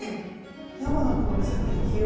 山名君より先に着よ！